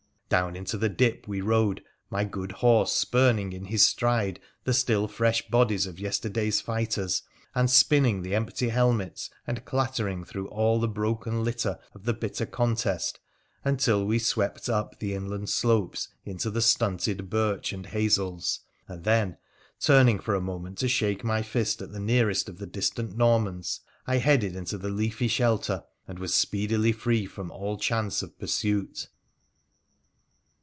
Down into the dip we rode, my good horse spurn ing in his stride the still fresh bodies of yesterday's fighters, and spinning the empty helmets, and clattering through all the broken litter of the bitter contest, until we swept up the inland slopes into the stunted birch and hazels, and then — turning for a moment to shake my fist at the nearest of the distant Normans — I headed into the leafy shelter, and wa3 speedily free from all chance of pursuit.